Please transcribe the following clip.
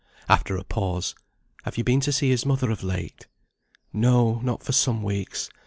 After a pause. "Have ye been to see his mother of late?" "No; not for some weeks.